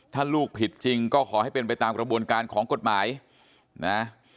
ถ้าลูกผิดจริงก็ขอให้เป็นไปตามกระบวนการของกฎหมายนะ